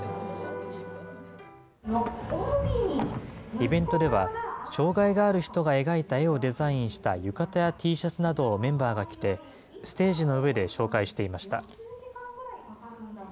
イベントでは、障害がある人が描いた絵をデザインした浴衣やＴシャツなどをメンバーが着て、ステージの上で紹介していました。